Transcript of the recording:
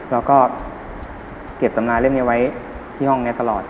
แล้วก็เก็บสำนาค์เล่มนี้ไว้ที่ห้องเนี่ยตลอด